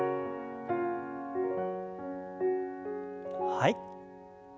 はい。